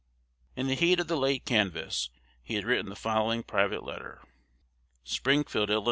In the heat of the late canvass, he had written the following private letter: Springfield, Ill.